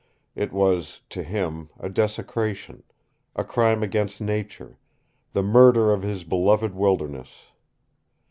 It was, to him, a desecration, a crime against Nature, the murder of his beloved wilderness.